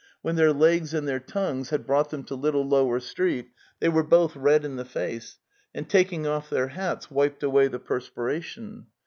When their legs and their tongues had brought them to Little Lower Street they were both red in the face, and tak ing off their hats, wiped away the perspiration.